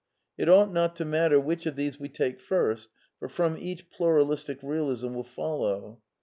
It ought not to matter which of these we take first ; for from each Pluralistic Eealism will follow.